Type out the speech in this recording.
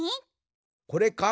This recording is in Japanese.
これか？